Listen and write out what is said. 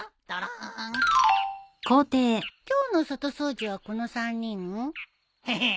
今日の外掃除はこの３人？へへっ。